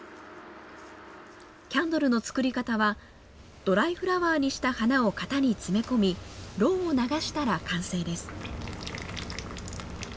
キャンドルの作り方は、ドライフラワーにした花を型に詰め込み、ろうを流したら完成です。